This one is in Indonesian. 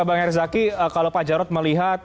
bang herzaki kalau pak jarod melihat